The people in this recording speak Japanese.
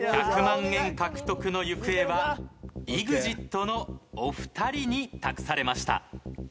１００万円獲得の行方はＥＸＩＴのお二人に託されました。